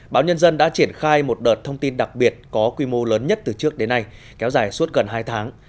báo nhân dân đã triển khai một đợt thông tin đặc biệt có quy mô lớn nhất từ trước đến nay kéo dài suốt gần hai tháng